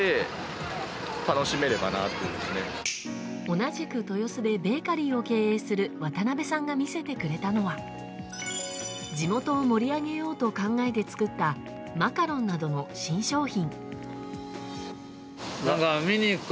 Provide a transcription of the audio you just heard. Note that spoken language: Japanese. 同じく豊洲でベーカリーを経営する渡辺さんが見せてくれたのは地元を盛り上げようと考えて作られたマカロンなどの新商品。